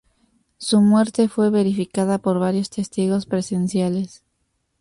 Su muerte fue verificada por varios testigos presenciales.